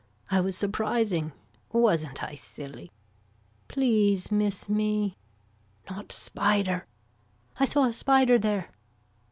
I was surprising. Wasn't I silly. Please miss me. Not spider. I saw a spider there.